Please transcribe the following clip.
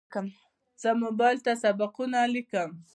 زه موبایل ته سبقونه لیکم.